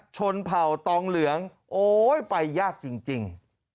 ชนเผ่าตองเหลืองโอ๊ยไปยากจริง